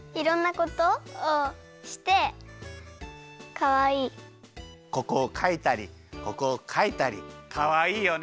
ここをかいたりここをかいたりかわいいよね。